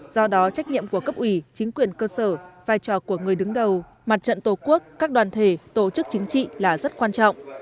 do đó trách nhiệm của cấp ủy chính quyền cơ sở vai trò của người đứng đầu mặt trận tổ quốc các đoàn thể tổ chức chính trị là rất quan trọng